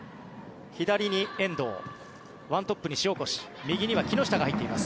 左に遠藤、１トップに塩越右には木下が入っています。